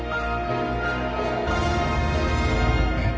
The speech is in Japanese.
えっ？